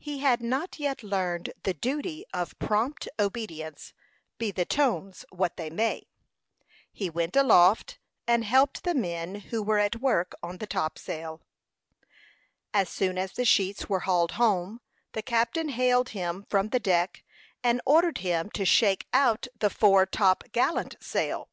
He had not yet learned the duty of prompt obedience, be the tones what they may. He went aloft, and helped the men who were at work on the topsail. As soon as the sheets were hauled home, the captain hailed him from the deck, and ordered him to shake out the fore top gallant sail.